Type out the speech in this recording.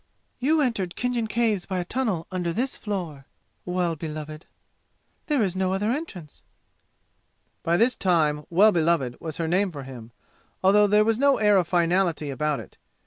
"You entered Khinjan Caves by a tunnel under this floor, Well beloved. There is no other entrance!" By this time Well beloved was her name for him, although there was no air of finality about it.